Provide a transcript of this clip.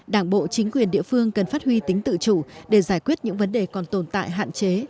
đảng bộ chính quyền địa phương cần phát huy tính tự chủ để giải quyết những vấn đề còn tồn tại hạn chế